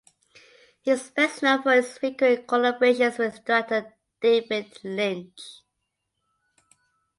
He is best known for his frequent collaborations with director David Lynch.